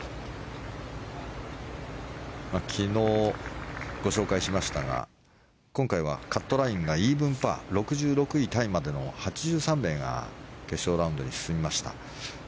昨日、ご紹介しましたが今回はカットラインがイーブンパー６６位タイまでの８３名が決勝ラウンドに進みました。